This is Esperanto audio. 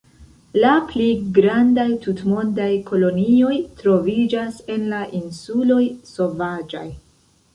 La pli grandaj tutmondaj kolonioj troviĝas en la insuloj Sovaĝaj.